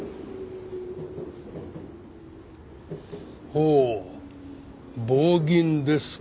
ほう棒銀ですか。